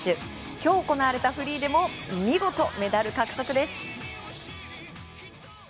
今日行われたフリーでも見事メダル獲得です。